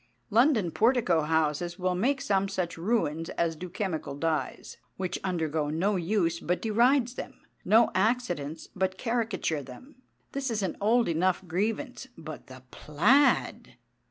London portico houses will make some such ruins as do chemical dyes, which undergo no use but derides them, no accidents but caricature them. This is an old enough grievance. But the plaid!